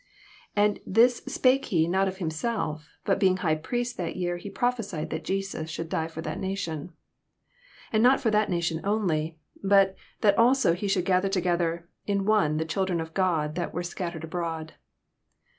6 1 And this spake he not of himself : but being high priest that year, he prophesied that Jesas should die for that nation : 62 And not for that nation only, but that also he should gather together in one the children of God that were scat tered abroad.